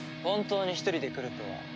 本当に一人で来るとは。